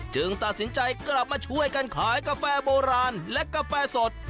ตัดสินใจกลับมาช่วยกันขายกาแฟโบราณและกาแฟสด